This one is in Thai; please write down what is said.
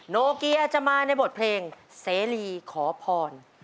โนเกียจะมาในบทเพลงเสรีขอพร